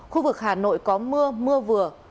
khu vực hà nội có mưa mưa vừa